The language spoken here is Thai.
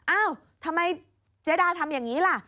อ้าวทำไมเจ๊ดาทำอย่างนี้ล่ะ